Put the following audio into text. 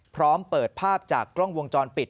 พร้อมเปิดภาพจากกล้องวงจรปิด